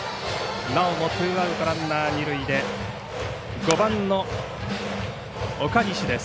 なおもツーアウトランナー二塁で５番の岡西です。